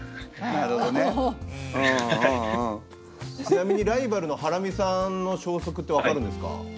ちなみにライバルのハラミさんの消息って分かるんですか？